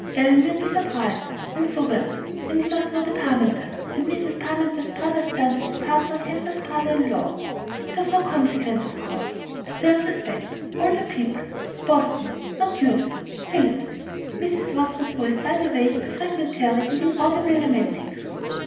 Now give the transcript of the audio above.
Ellen will be surprised, and so will He's from Ashburn too, and he must know the Parmenters, and Mrs. Parmenter's brother's son is partner to Henry's brother in law. It's of no consequence, of course, still, respect older people Boston not used to Phillips " Mrs. Watson's voice died away into fragmentary and inaudible lamentings.